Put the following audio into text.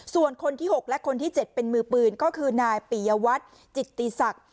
ส่วนคนที่๖และคนที่๗เป็นมือปืนก็คือนายปียวัตรจิตติศักดิ์